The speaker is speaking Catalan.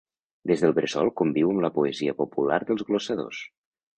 Des del bressol conviu amb la poesia popular dels glossadors.